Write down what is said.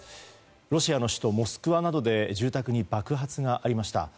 ロシアの首都モスクワなどで住宅に爆発がありました。